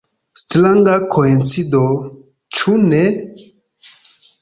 Stranga koincido, ĉu ne?